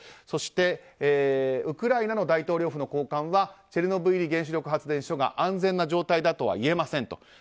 そしてウクライナの大統領府の高官はチェルノブイリ原子力発電所が安全な状態だとは言えませんと。